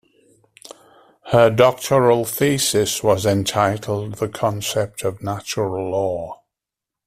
Her doctoral thesis was entitled "The Concept of Natural Law".